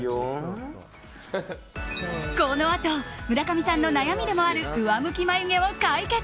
このあと、村上さんの悩みでもある上向き眉毛を解決。